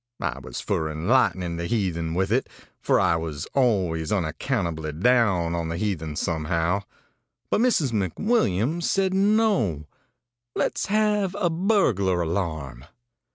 I was for enlightening the heathen with it, for I was always unaccountably down on the heathen somehow; but Mrs. McWilliams said no, let's have a burglar alarm.